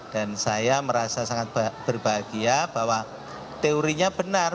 dan saya merasa sangat berbahagia bahwa teorinya benar